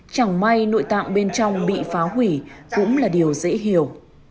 chẳng may nội tạng bên trong bị phá hủy cũng là điều dễ hiểu